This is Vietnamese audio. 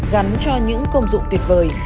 gắn cho những công dụng tuyệt vời